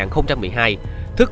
thức và huỳnh và thức